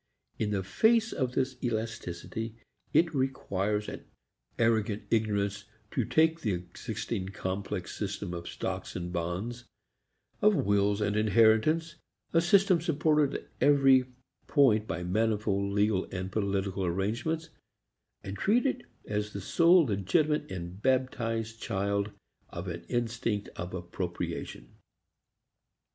In the face of this elasticity, it requires an arrogant ignorance to take the existing complex system of stocks and bonds, of wills and inheritance, a system supported at every point by manifold legal and political arrangements, and treat it as the sole legitimate and baptized child of an instinct of appropriation.